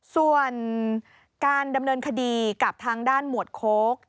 ส่วนการดำเนินคดีกับทางด้านหมวดโค้ก